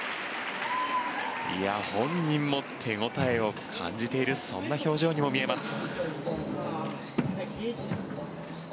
本人も手応えを感じているそんな表情にも見えます。